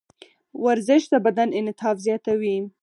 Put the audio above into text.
ورزش د بدن انعطاف زیاتوي.